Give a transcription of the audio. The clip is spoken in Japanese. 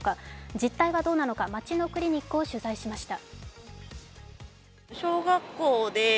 実態がどうなのか、街のクリニックを取材しました。